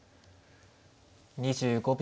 ２５秒。